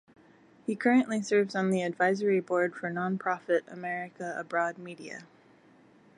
He currently serves on the advisory board for nonprofit America Abroad Media.